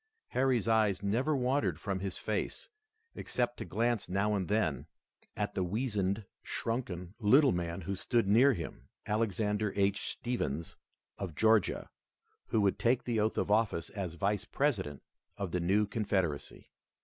Harry's eyes never wandered from his face, except to glance now and then at the weazened, shrunken, little man who stood near him, Alexander H. Stephens of Georgia, who would take the oath of office as Vice President of the new Confederacy.